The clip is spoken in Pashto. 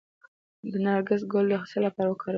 د نرګس ګل د څه لپاره وکاروم؟